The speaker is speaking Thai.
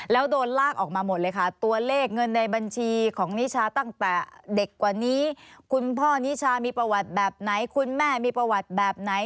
แล้วโดนลากออกมาหมดเลยค่ะตัวเลขเงินในบัญชีของนิชาตั้งแต่เด็กกว่านี้คุณพ่อนิชามีประวัติแบบไหนคุณแม่มีประวัติแบบไหน